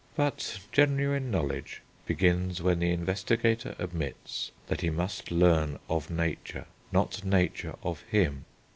But genuine knowledge begins when the investigator admits that he must learn of nature, not nature of him.